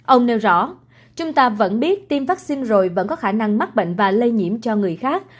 ông nêu rõ chúng ta vẫn biết tiêm vaccine rồi vẫn có khả năng mắc bệnh và lây nhiễm cho người khác